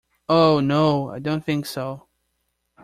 Oh, no, I don't think so!